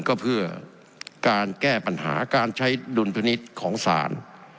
ก็เพื่อการแก้ปัญหาการใช้ดุลพินิษฐ์ของศาล